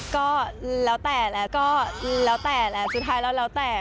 ก็แล้วแต่แหละสุดท้ายแล้วแล้วแต่